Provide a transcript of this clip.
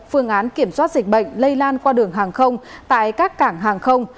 phương án kiểm soát dịch bệnh lây lan qua đường hàng không tại các cảng hàng không